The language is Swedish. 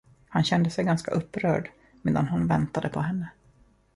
Han kände sig ganska upprörd, medan han väntade på henne.